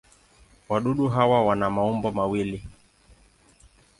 Wadudu hawa wana maumbo mawili.